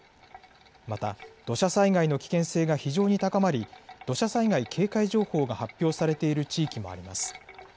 また土砂災害の危険性が非常に高まり土砂災害警戒情報が発表されている地域もあります。